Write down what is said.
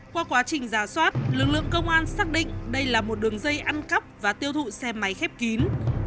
qua quá trình giả soát lực lượng công an xác định đây là một đường dây ăn cắp và tiêu thụ xe máy khép kín